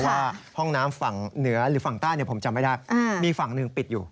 ว่าห้องน้ำฝั่งเหนือหรือฝั่งใต้ผมจำไม่ได้มีฝั่งหนึ่งปิดอยู่